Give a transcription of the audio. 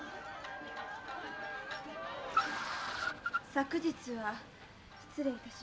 昨日は失礼いたしました。